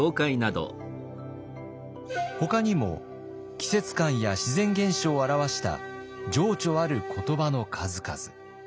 ほかにも季節感や自然現象を表した情緒ある言葉の数々。